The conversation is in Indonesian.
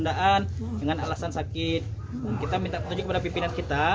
dengan alasan sakit kita minta petunjuk kepada pimpinan kita